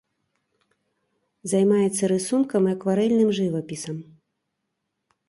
Займаецца рысункам і акварэльным жывапісам.